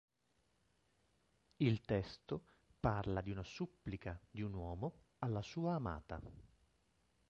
Il testo parla di una supplica di un uomo alla sua amata.